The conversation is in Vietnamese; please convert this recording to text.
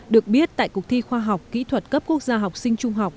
được biết tại cuộc thi khoa học kỹ thuật cấp quốc gia học sinh trung học